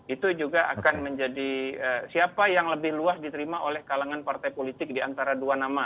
itu juga akan menjadi siapa yang lebih luas diterima oleh kalangan partai politik diantara dua nama